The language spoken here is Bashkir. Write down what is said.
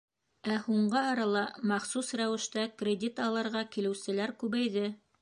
Ә һуңғы арала махсус рәүештә кредит алырға килеүселәр күбәйҙе.